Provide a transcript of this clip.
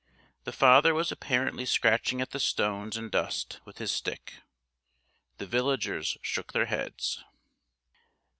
The father was apparently scratching at the stones and dust with his stick. The villagers shook their heads.